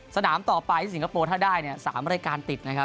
สนามต่อไปสิงคโปร์ถ้าได้๓รายการติดนะครับ